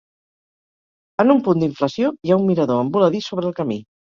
En un punt d'inflació hi ha un mirador en voladís sobre el camí.